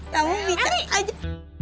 kamu bicara aja